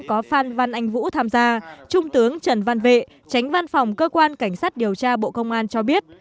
có phan văn anh vũ tham gia trung tướng trần văn vệ tránh văn phòng cơ quan cảnh sát điều tra bộ công an cho biết